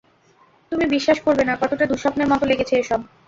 তুমি বিশ্বাস করবে না কতোটা দুঃস্বপ্নের মতো লেগেছে এসব।